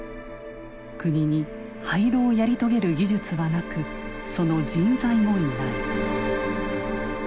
国に廃炉をやり遂げる技術はなくその人材もいない。